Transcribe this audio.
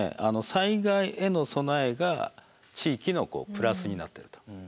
災害への備えが地域のプラスになってると。